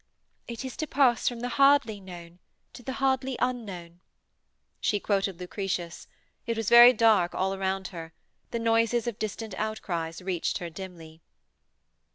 'It is to pass from the hardly known to the hardly unknown.' She quoted Lucretius. It was very dark all around her: the noises of distant outcries reached her dimly.